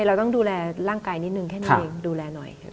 เราต้องดูแลร่างกายนิดนึงแค่นี้เองดูแลหน่อย